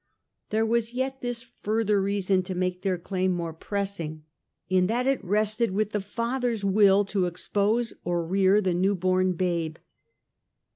There was yet this further reason to make their claim more pressing, in that it rested with the father's will to expose or rear the new born babe.